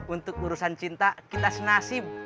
untuk urusan cinta kita senasib